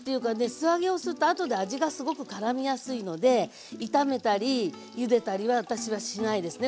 素揚げをするとあとで味がすごくからみやすいので炒めたりゆでたりは私はしないですね